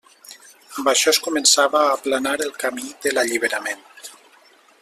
Amb això es començava a aplanar el camí de l'alliberament.